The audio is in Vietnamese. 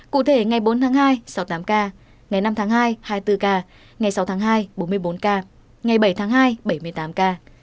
cụ thể ngày bốn tháng hai sáu mươi tám ca ngày năm tháng hai hai mươi bốn ca ngày sáu tháng hai bốn mươi bốn ca ngày bảy tháng hai bảy mươi tám ca